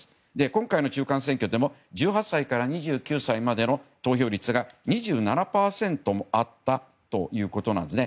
今回の中間選挙でも１８歳から２９歳までの投票率が２７％もあったということなんですね。